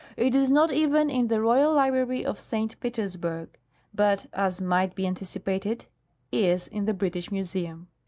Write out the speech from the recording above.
It is not even in the Royal Library at St. Petersburg, but, as might be anticipated, is in the British Museum.